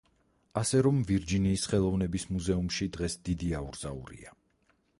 ასე რომ ვირჯინიის ხელოვნების მუზეუმში დღეს დიდი აურზაურია.